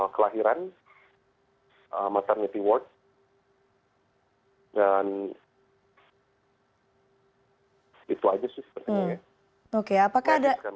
kelahiran maternity ward dan itu aja sih sepertinya ya